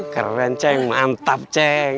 keren ceng mantap ceng